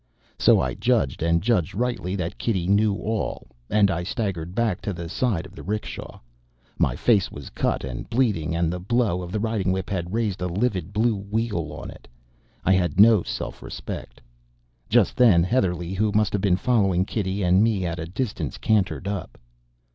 So I judged, and judged rightly, that Kitty knew all; and I staggered back to the side of the 'rickshaw. My face was cut and bleeding, and the blow of the riding whip had raised a livid blue wheal on it. I had no self respect. Just then, Heatherlegh, who must have been following Kitty and me at a distance, cantered up.